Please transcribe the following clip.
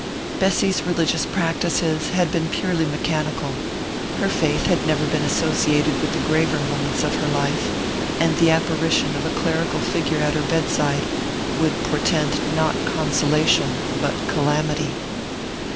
Bessy's religious practices had been purely mechanical: her faith had never been associated with the graver moments of her life, and the apparition of a clerical figure at her bedside would portend not consolation but calamity.